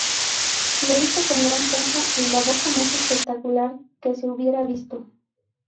Lo hizo con gran pompa, en la boda más espectacular que se hubiera visto.